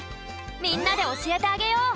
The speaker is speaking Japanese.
みんなでおしえてあげよう！